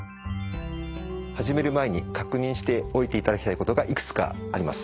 始める前に確認しておいていただきたいことがいくつかあります。